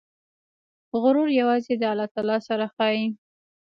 غرور یوازې د الله تعالی سره ښایي.